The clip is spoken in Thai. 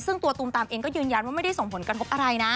ซึ่งตัวตูมตามเองก็ยืนยันว่าไม่ได้ส่งผลกระทบอะไรนะ